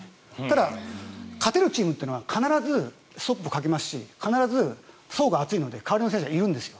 ただ、勝てるチームは必ずストップかけますし必ず層が厚いので代わりの選手がいるんです。